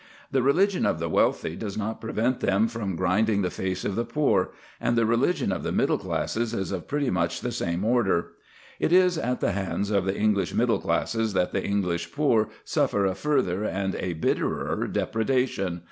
The religion of the wealthy does not prevent them from grinding the face of the poor; and the religion of the middle classes is of pretty much the same order. It is at the hands of the English middle classes that the English poor suffer a further and a bitterer depredation.